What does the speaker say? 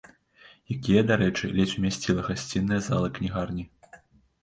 Якія, дарэчы, ледзь умясціла гасцінная зала кнігарні.